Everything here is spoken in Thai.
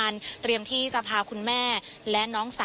เชิญค่ะ